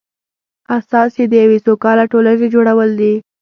اساس یې د یوې سوکاله ټولنې جوړول دي.